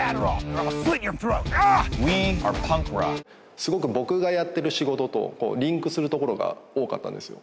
すごく僕がやっている仕事とリンクするところが多かったんですよ